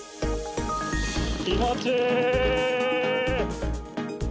気持ちいい！